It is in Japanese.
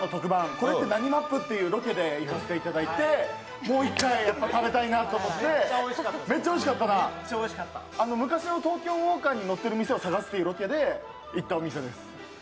「コレってなにＭＡＰ！？」という番組で行かせていただいて、もう一回食べたいなと思って昔の東京ウォーカーに載ったお店を探すという企画で行ったお店です。